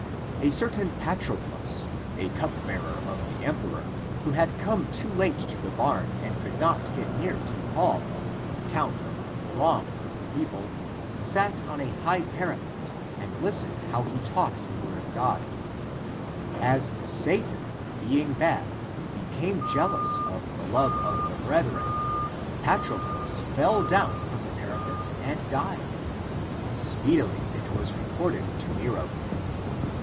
A certain Patroclus, a cupbearer of the emperor, who had come too late to the barn and could not get near to Paul on account of the throng of the people, sat on a high parapet, and listened how he taught the word of God. As Satan, being bad, be came jealous of the love of the brethren, Patroclus fell down from the parapet and died ; speedily it was reported to Nero.